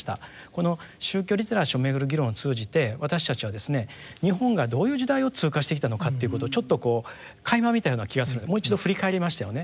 この宗教リテラシーをめぐる議論を通じて私たちはですね日本がどういう時代を通過してきたのかということをちょっとこうかいま見たような気がするんでもう一度振り返りましたよね。